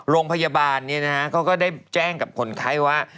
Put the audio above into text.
โรงพยาบาลเขาก็ได้แจ้งกับคนไข้ว่า